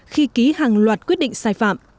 khi ký hàng loạt quyết định sai phạm